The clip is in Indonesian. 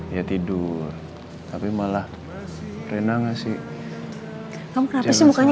ya tidur tapi malah rena ngasih kamu ngapain sih mukanya